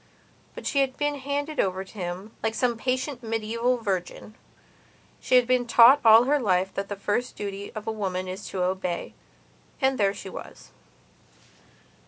But she had been handed over to him, like some patient medieval virgin; she had been taught all her life that the first duty of a woman is to obey. And there she was.